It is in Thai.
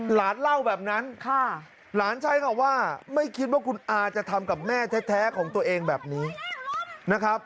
หลานเล่าแบบนั้นหลานใช้คำว่าไม่คิดว่าคุณอาจะทำกับแม่แท้ของตัวเองแบบนี้นะครับ